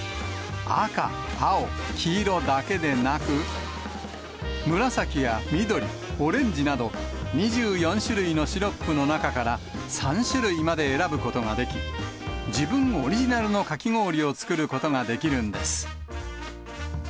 赤、青、黄色だけでなく、紫や緑、オレンジなど、２４種類のシロップの中から３種類まで選ぶことができ、自分オリジナルのかき氷を作ることができるんです。